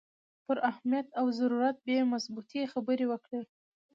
پر اهمیت او ضرورت یې مبسوطې خبرې وکړې.